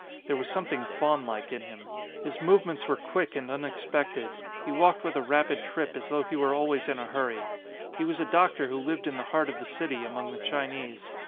There was something 'faunlike in him. His movements were quick and unexpected. He walked with a 135 ON A CHINESE SCREEN rapid trip as though he were always in a hurry. He was a doctor who lived in the heart of the city among the Chinese.